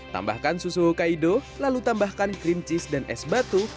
tambahkan susu hokaido lalu tambahkan cream cheese dan es batu